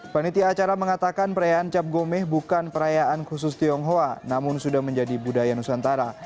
panitia acara mengatakan perayaan cap gomeh bukan perayaan khusus tionghoa namun sudah menjadi budaya nusantara